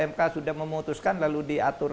mk sudah memutuskan lalu diatur